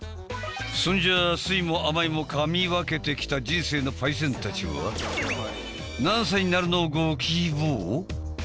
そんじゃあ酸いも甘いもかみ分けてきた人生のパイセンたちは何歳になるのをご希望？